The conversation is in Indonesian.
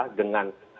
jadi kita harus